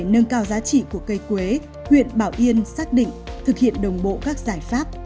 để nâng cao giá trị của cây quế huyện bảo yên xác định thực hiện đồng bộ các giải pháp